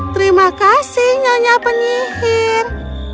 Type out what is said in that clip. terima kasih nyonya penyihir